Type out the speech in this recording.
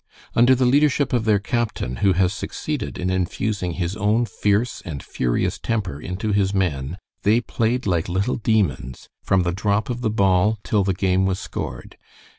Under the leadership of their captain, who has succeeded in infusing his own fierce and furious temper into his men, they played like little demons, from the drop of the ball till the game was scored.